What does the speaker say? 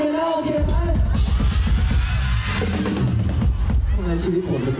ดูคอนเสิร์ตจบแล้วจะไปแรงฟันเหรอ